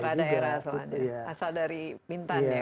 ya teradaerah asal dari bintan ya pak